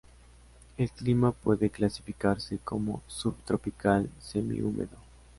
El clima puede clasificarse como subtropical, semihúmedo.